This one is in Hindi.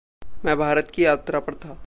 मैं भारत की यात्रा पर था।